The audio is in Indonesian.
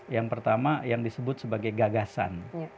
yang pertama yang disebut sebagai gagasan